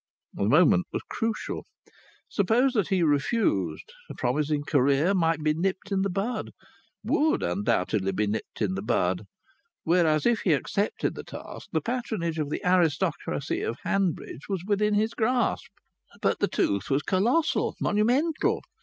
The moment was crucial. Supposing that he refused a promising career might be nipped in the bud; would, undoubtedly, be nipped in the bud. Whereas, if he accepted the task, the patronage of the aristocracy of Hanbridge was within his grasp. But the tooth was colossal, monumental.